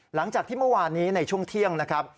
หลังจากที่เมื่อวานนี้ในช่วงเที่ยงนะครับ